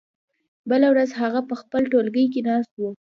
بله ورځ هغه په خپل ټولګي کې ناست و.